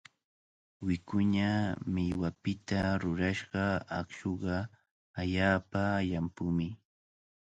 Wikuña millwapita rurashqa aqshuqa allaapa llampumi.